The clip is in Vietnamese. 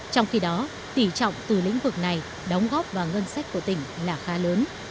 trong khi đó tỉ trọng từ lĩnh vực này đóng góp vào ngân sách của tỉnh là khá lớn